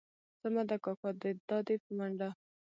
سمه ده کاکا دا دي په منډه.